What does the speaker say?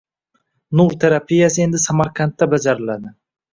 Nur terapiyasi endi Samarqandda bajariladi